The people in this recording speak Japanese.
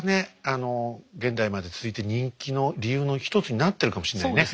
あの現代まで続いてる人気の理由の一つになってるかもしれないね。